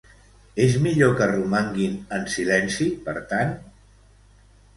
És millor que romanguin en silenci, per tant?